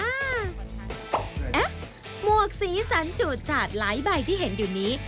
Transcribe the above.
หมวกสีสันจูดจาดหลายใบที่เห็นอยู่นี้